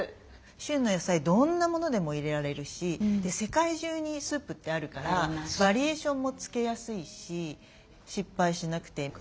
旬の野菜どんなものでも入れられるし世界中にスープってあるからバリエーションもつけやすいし失敗しなくていい。